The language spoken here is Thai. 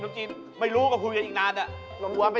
ถั่วฝักยาวหุ่นตัวจุ่มฝักยาวกินได้